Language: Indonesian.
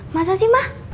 masa sih mah